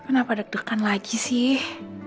kenapa deg degan lagi sih